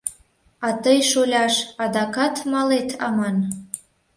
А тый, шоляш, адакат малет аман?